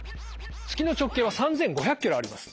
月の直径は３，５００ｋｍあります。